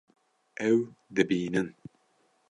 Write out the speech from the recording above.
Ew dibînin